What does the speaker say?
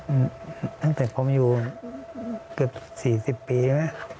อืมตั้งแต่ผมอยู่เกือบ๔๐ปีใช่ไหม